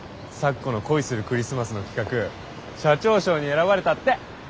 咲子の「恋するクリスマス」の企画社長賞に選ばれたって。